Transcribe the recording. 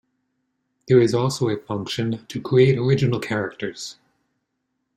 There is also a function to create original characters.